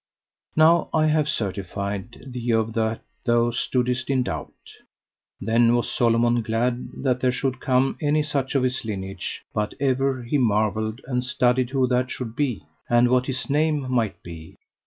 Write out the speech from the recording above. Now have I certified thee of that thou stoodest in doubt. Then was Solomon glad that there should come any such of his lineage; but ever he marvelled and studied who that should be, and what his name might be.